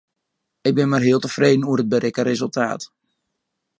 Ik bin mar heal tefreden oer it berikte resultaat.